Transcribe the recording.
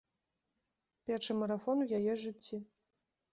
Першы марафон у яе жыцці.